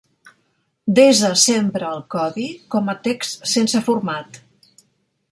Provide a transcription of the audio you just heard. Desa sempre el codi com a text sense format.